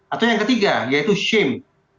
atau yang ketiga yaitu sim